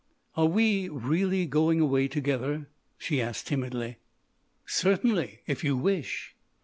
"Are we really going away together?" she asked timidly. "Certainly, if you wish."